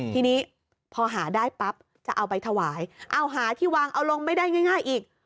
ทีนี้พอหาได้ปั๊บจะเอาไปถวายเอาหาที่วางเอาลงไม่ได้ง่ายอีก